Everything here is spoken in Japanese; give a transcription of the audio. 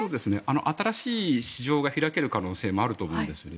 当たらしい市場が開ける可能性もあると思うんですね。